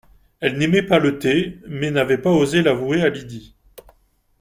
Elle n’aimait pas le thé, mais n’avait pas osé l’avouer à Lydie